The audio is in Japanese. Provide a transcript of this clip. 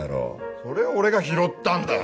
それを俺が拾ったんだよ！